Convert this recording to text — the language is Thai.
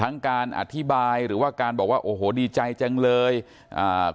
การอธิบายหรือว่าการบอกว่าโอ้โหดีใจจังเลยอ่า